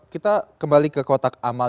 kita kembali ke kotak amal